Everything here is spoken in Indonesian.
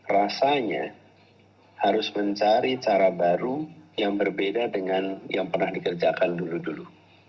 rasanya harus mencari cara baru yang berbeda dengan yang pernah dikerjakan dulu dulu